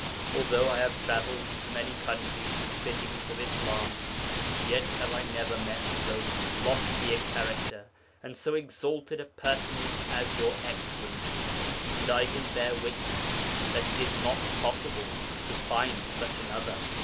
Although I have travelled through many countries and cities of Islam, yet have I never met so lofty a character and so exalted a personage as Your Excellency, and I can bear witness that it is not possible to find such another.